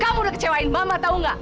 kamu udah kecewain mama tahu nggak